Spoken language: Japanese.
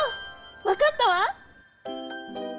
わかったわ！